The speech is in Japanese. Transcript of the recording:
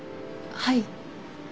はい。